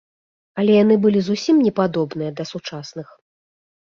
Але яны былі зусім не падобныя да сучасных.